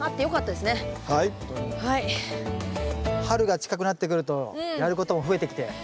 春が近くなってくるとやることも増えてきて。